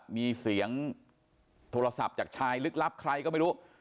มีเสียงโทรศัพท์จากชายลึกลับใครก็ไม่รู้